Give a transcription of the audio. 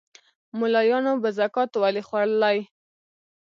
مُلایانو به زکات ولي خوړلای